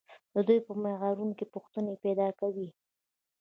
دوی په معیارونو کې پوښتنې پیدا کوي.